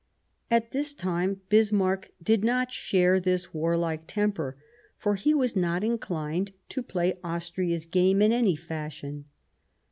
At this time Bismarck did not share this warlike temper, for he was not inclined to play Austria's game in any fashion.